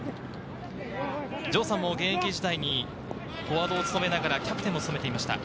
城さんも現役時代にフォワードを務めながらキャプテンも務めていました。